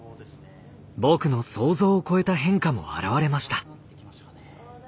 僕の想像を超えた変化も現れました。